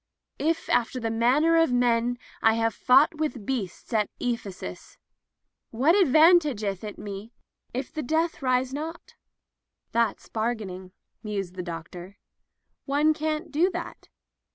'* If after the manner of men I have fought with beasts at Ephesus, what advantageth it me if the dead rise not ?" "That's bargaining," mused the doctor. "One can't do that.